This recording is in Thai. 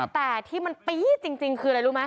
แต่ที่มันปี๊ดจริงคืออะไรรู้ไหม